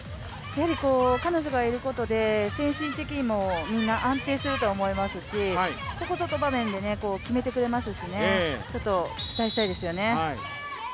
彼女がいることで精神的にもみんな安定すると思いますし、ここぞの場面で決めてくれますし、期待したいですよね。